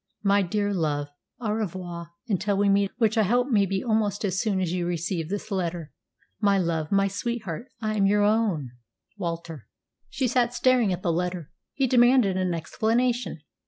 My dear love, au revoir until we meet, which I hope may be almost as soon as you receive this letter. My love, my sweetheart, I am your own WALTER." She sat staring at the letter. He demanded an explanation.